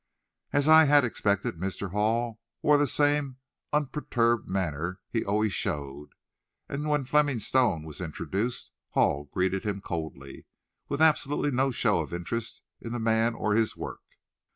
As I had expected, Mr. Hall wore the same unperturbed manner he always showed, and when Fleming Stone was introduced, Hall greeted him coldly, with absolutely no show of interest in the man or his work.